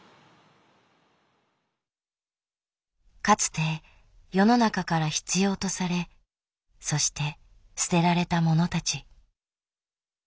かつて世の中から必要とされそして捨てられたものたち。